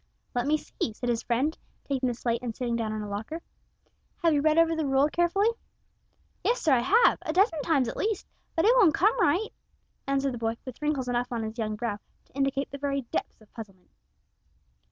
"Let me see," said his friend, taking the slate and sitting down on a locker. "Have you read over the rule carefully?" "Yes, sir, I have, a dozen times at least, but it won't come right," answered the boy, with wrinkles enough on his young brow to indicate the very depths of puzzlement.